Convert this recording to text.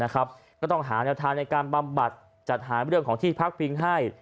ก็ต้องหาแนวทางในการบำบัดจัดหาเรื่องของที่พักพิงให้